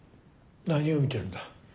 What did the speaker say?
何を見てるんだ。